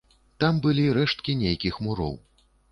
Там былі рэшткі нейкіх муроў.